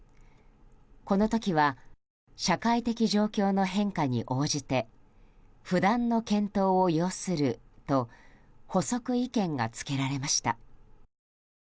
この時は社会的状況の変化に応じて不断の検討を要すると補足意見が付けられました。